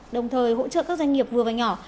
đồng thời hỗ trợ các doanh nghiệp vừa và nhỏ